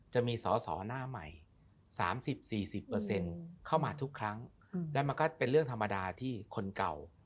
จะมีสอสอหน้าใหม่สามสิบสี่สิบเปอร์เซ็นต์เข้ามาทุกครั้งแล้วมันก็เป็นเรื่องธรรมดาที่คนเก่า